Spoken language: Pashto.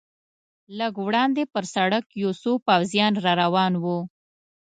لږ وړاندې پر سړک یو څو پوځیان را روان و.